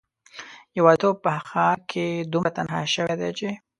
یوازیتوب په ښار کې دومره تنها شوی دی چې